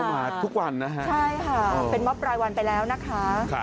ก็มาทุกวันนะคะโอ้โฮใช่ค่ะเป็นมอบปลายวันไปแล้วนะคะ